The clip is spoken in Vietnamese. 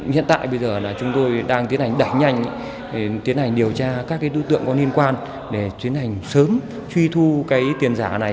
hiện tại bây giờ là chúng tôi đang tiến hành đẩy nhanh tiến hành điều tra các đối tượng có liên quan để tiến hành sớm truy thu cái tiền giả này